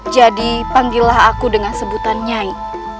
jadi panggillah aku dengan sebutan nyai